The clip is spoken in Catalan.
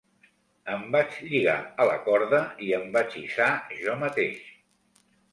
Em vaig lligar a la corda i em vaig hissar jo mateix.